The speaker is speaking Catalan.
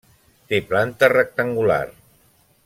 Té planta rectangular.